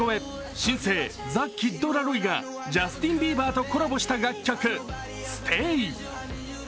新星ザ・キッド・ロイがジャスティン・ビーバーとコラボした楽曲「ＳＴＡＹ」。